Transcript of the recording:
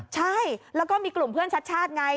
ใช่แล้วก็มีกลุ่มเพื่อนชัดชาติไง